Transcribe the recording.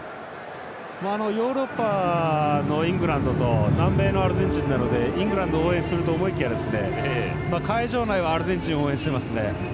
ヨーロッパのイングランドと南米のアルゼンチンなのでイングランドを応援すると思いきや、会場内はアルゼンチンを応援していますね。